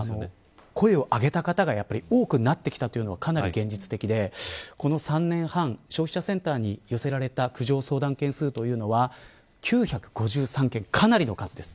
声をあげた方が多くなってきたというのが現実的でこの３年半、消費者センターに寄せられた苦情相談件数は９５３件かなりの数です。